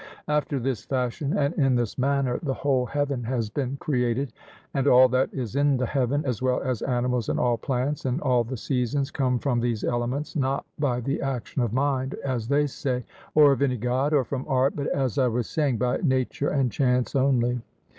After this fashion and in this manner the whole heaven has been created, and all that is in the heaven, as well as animals and all plants, and all the seasons come from these elements, not by the action of mind, as they say, or of any God, or from art, but as I was saying, by nature and chance only.